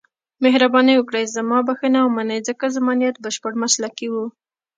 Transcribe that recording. مهرباني وکړئ زما دا بښنه ومنئ، ځکه زما نیت بشپړ مسلکي و.